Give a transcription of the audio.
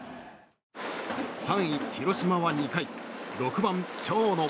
３位、広島は２回６番、長野。